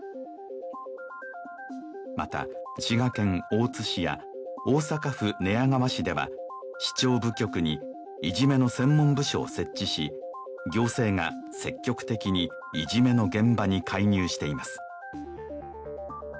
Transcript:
また滋賀県大津市や大阪府寝屋川市では市長部局にいじめの専門部署を設置し行政が積極的にいじめの現場に介入しています